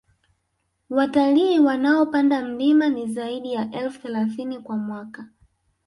Watalii wanaopanda mlima ni zaidi ya elfu thelathini kwa mwaka